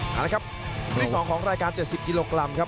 ครับวันที่๒ของรายการ๗๐กิโลกรัมครับ